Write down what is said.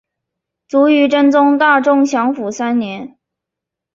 卒于真宗大中祥符三年。